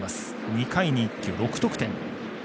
２回に一挙６得点。